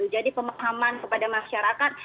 jadi pemahaman kepada masyarakat